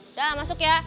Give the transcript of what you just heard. udah masuk ya